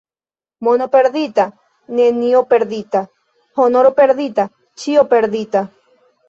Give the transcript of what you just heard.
Mono perdita, nenio perdita, — honoro perdita, ĉio perdita.